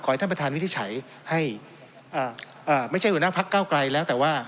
ให้ท่านประธานวินิจฉัยให้ไม่ใช่หัวหน้าพักเก้าไกลแล้วแต่ว่า